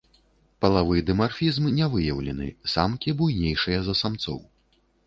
Палавы дымарфізм не выяўлены, самкі буйнейшыя за самцоў.